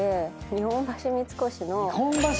日本橋三越あっ！